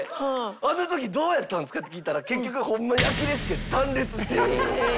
「あの時どうやったんですか？」って聞いたら結局ホンマにアキレス腱断裂してた。